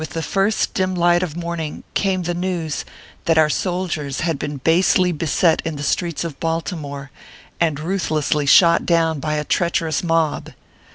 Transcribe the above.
the first dim light of morning came the news that our soldiers bad been basely beset in the streets of Baltimore, and ruthlessly shot down by a treacherous mob